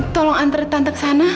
tolong anterin tante kesana